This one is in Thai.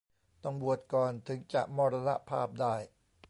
ต้องบวชก่อนถึงจะมรณภาพได้